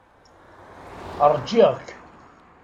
Ṛjiɣ-k.